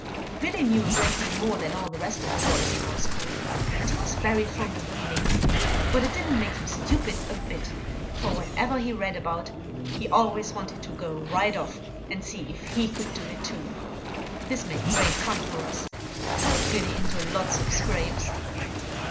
Billy knew a great deal more than all the rest of the boys in our school, and he was very fond of reading, but it didn't make him stupid a bit, for whatever he read about he always wanted to go right off and see if he could do it too. This made great fun for us, and got Billy into lots of scrapes.